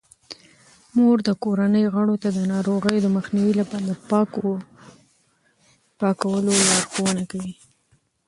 مور د کورنۍ غړو ته د ناروغیو د مخنیوي لپاره د پاکولو لارښوونه کوي.